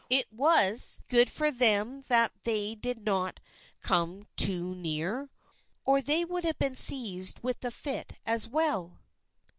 It was good for them that they did not come too near, or they would have been seized with the fit as well.